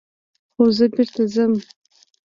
خو زه بېرته ځم.